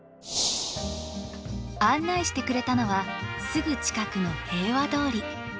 案内してくれたのはすぐ近くの平和通り。